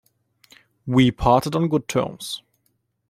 We parted on good terms.